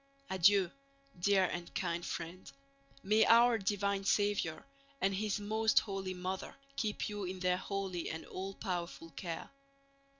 Adieu, dear and kind friend; may our divine Saviour and His most Holy Mother keep you in their holy and all powerful care!